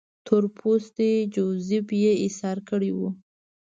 تور پوستی جوزیف یې ایسار کړی وو.